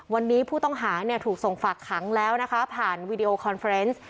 วันนี้ผู้ต้องหาเนี่ยถูกส่งฝากขังแล้วนะคะผ่านวีดีโอคอนเฟรนซ์